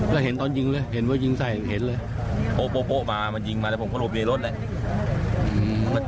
ก็เห็นตอนยิงเลยเห็นว่ายิงใส่เห็นเลยโป๊ะมามันยิงมาแล้วผมก็หลบในรถเลย